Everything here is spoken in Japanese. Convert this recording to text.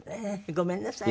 ごめんなさいね。